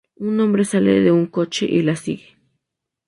Un hombre sale de un coche y la sigue.